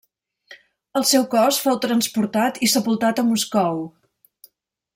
El seu cos fou transportat i sepultat a Moscou.